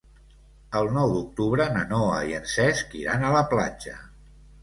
El nou d'octubre na Noa i en Cesc iran a la platja.